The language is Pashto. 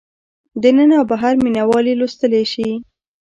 دننه او بهر مینه وال یې لوستلی شي.